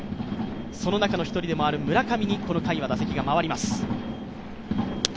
その中の１人でもある村上に、この回は打席が回ります。